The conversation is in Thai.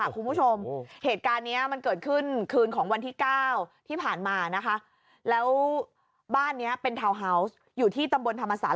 ผู้ผู้ชมเหตุการณ์ดังนี้มันเกิดขึ้นขึ้นของวันที่เก้าที่ผ่านมานะคะแล้วบ้านเนี่ย